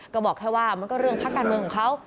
ก็บอกแค่ว่ามันก็เรื่องพักการเมืองของเขา